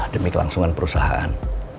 demi kelangsungan perusahaan